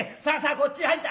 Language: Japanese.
こっちへ入って。